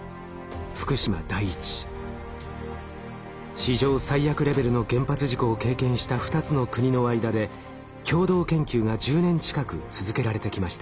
史上最悪レベルの原発事故を経験した２つの国の間で共同研究が１０年近く続けられてきました。